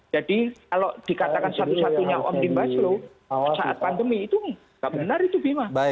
jadi kalau dikatakan satu satunya omnibus law saat pandemi itu nggak benar itu bima